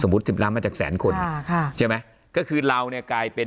สิบล้านมาจากแสนคนอ่าค่ะใช่ไหมก็คือเราเนี่ยกลายเป็น